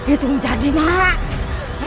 itu menjadi nak